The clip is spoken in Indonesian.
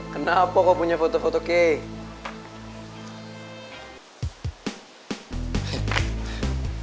kenapa kau punya foto foto kek